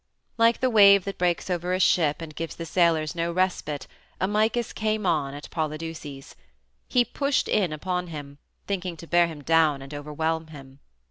Like the wave that breaks over a ship and gives the sailors no respite Amycus came on at Polydeuces. He pushed in upon him, thinking to bear him down and overwhelm him.